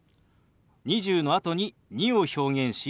「２０」のあとに「２」を表現し「２２」。